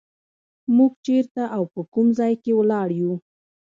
موږ چېرته او په کوم ځای کې ولاړ یو.